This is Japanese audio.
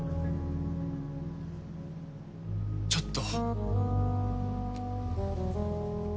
ちょっと。